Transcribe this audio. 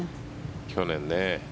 去年ね。